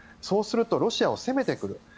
そうするとロシアを攻めてくる。